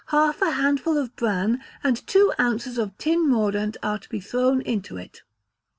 half a handful of bran and two ounces of tin mordant are to be thrown into it.